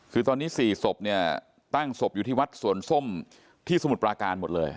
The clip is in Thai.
คือตอนนี้๔ศพเนี่ยตั้งศพอยู่ที่วัดสวนส้มที่สมุทรปราการหมดเลย